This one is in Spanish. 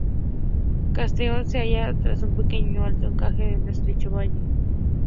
Castejón se halla tras un pequeño alto, encajada en un estrecho valle.